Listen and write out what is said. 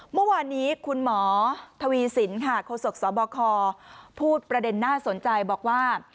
เมื่อวานนี้คุณหมอทวีสินค่ะโฆษกสบคพูดประเด็นน่าสนใจบอกว่า